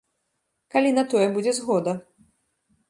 Калі на тое будзе згода.